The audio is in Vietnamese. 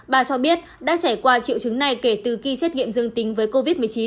bà cho biết đã trải qua triệu chứng này kể từ khi xét nghiệm dương tính với covid một mươi chín